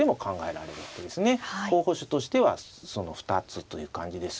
候補手としてはその２つという感じです。